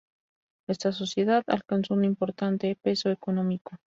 Esta Sociedad alcanzó un importante peso económico.